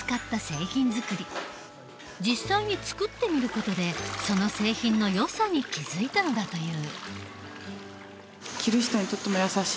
実際に作ってみる事でその製品のよさに気付いたのだという。